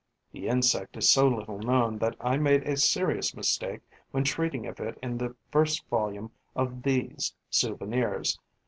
(The insect is so little known that I made a serious mistake when treating of it in the first volume of these "Souvenirs."